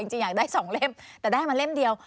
จริงอยากได้๒เล่มแต่ได้มาเล่มเดียว